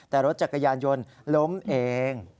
แต่รถจักรยานยนต์ล้มเอง